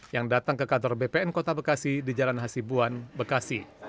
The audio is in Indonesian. yang datang ke kantor bpn kota bekasi di jalan hasibuan bekasi